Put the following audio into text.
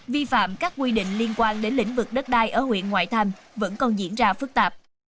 vi phạm các quy định liên quan đến lĩnh vực đất đai ở huyện ngoại thành vẫn còn diễn ra phức tạp